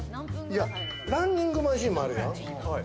ランニングマシンもあるやん。